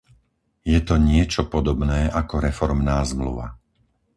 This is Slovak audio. Je to niečo podobné ako reformná zmluva.